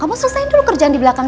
kamu selesai dulu kerjaan di belakang